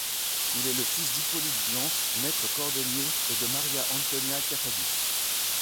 Il est le fils d'Hyppolite Blanc, maître cordonnier et de Maria-Antonia Caffagi.